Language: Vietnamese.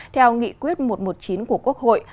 theo nghị quyết một trăm một mươi chín của quốc hội